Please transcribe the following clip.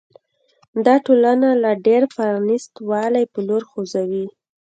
دا ټولنه د لا ډېر پرانیست والي په لور خوځوي.